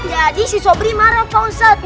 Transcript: jadi si sopri marah ustazah